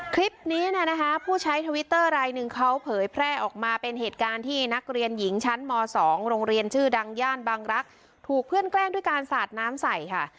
คลิปนี้เนี่ยนะคะผู้ใช้ทวิตเตอร์รายหนึ่งเขาเผยแพร่ออกมาเป็นเหตุการณ์ที่นักเรียนหญิงชั้นม๒โรงเรียนชื่อดังย่านบางรักษ์ถูกเพื่อนแกล้งด้วยการสาดน้ำใส่ค่ะ